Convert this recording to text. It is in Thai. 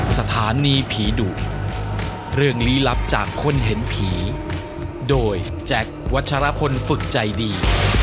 สถานีผีดุเรื่องลี้ลับจากคนเห็นผีโดยแจ็ควัชรพลฝึกใจดี